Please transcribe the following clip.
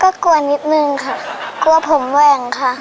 ก็กลัวนิดนึงค่ะกลัวผมแหว่งค่ะ